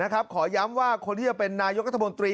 ขอย้ำว่าคนที่จะเป็นนายกรัฐมนตรี